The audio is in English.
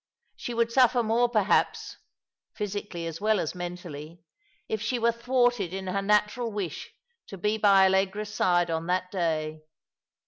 She would suffer more perhaps — physically as well as mentally — if she were thwarted in her natural wish to be by Allegra's side on that day.